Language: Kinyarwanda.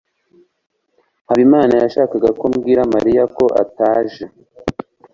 habimana yashakaga ko mbwira mariya ko ataje